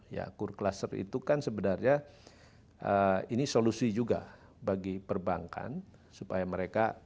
ya core cluster itu kan sebenarnya ini solusi juga bagi perbankan supaya mereka